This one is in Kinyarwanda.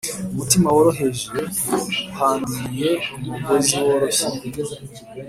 umutima woroheje uhambiriye umugozi woroshye